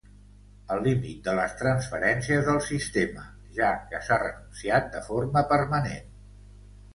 El límit de les transferències del sistema, ja que s'ha renunciat de forma permanent.